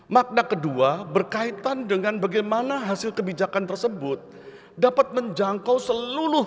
makna kedua berkaitan dengan bagaimana hasil kebijakan tersebut dapat menjangkau seluruh